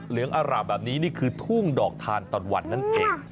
เหลืองอร่ามแบบนี้นี่คือทุ่งดอกทานตะวันนั่นเอง